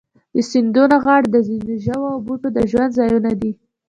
د سیندونو غاړې د ځینو ژوو او بوټو د ژوند ځایونه دي.